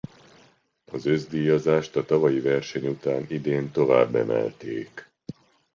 A összdíjazást a tavalyi verseny után idén tovább emelték.